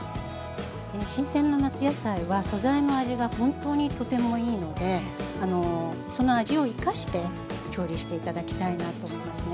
新鮮な夏野菜は素材の味が本当にとてもいいのでその味を生かして調理して頂きたいなと思いますね。